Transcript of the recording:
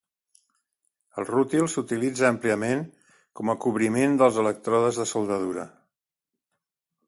El rútil s'utilitza àmpliament com a cobriment dels elèctrodes de soldadura.